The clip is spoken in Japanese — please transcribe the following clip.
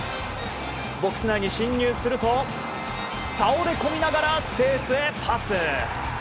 ボックス内に進入すると倒れ込みながらスペースへパス。